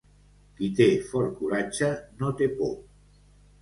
Qui té fort coratge no té por.